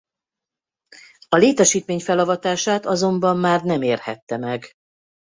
A létesítmény felavatását azonban már nem érhette meg.